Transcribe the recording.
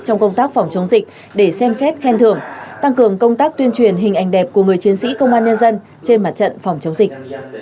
trong công tác phòng chống dịch để xem xét khen thưởng tăng cường công tác tuyên truyền hình ảnh đẹp của người chiến sĩ công an nhân dân trên mặt trận phòng chống dịch